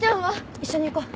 一緒に行こう。